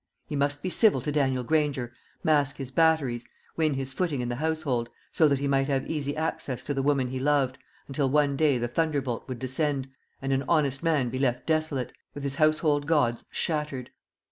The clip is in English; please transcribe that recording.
He must be civil to Daniel Granger, mask his batteries, win his footing in the household, so that he might have easy access to the woman he loved, until one day the thunderbolt would descend, and an honest man be left desolate, "with his household gods shattered."